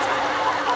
ハハハハ！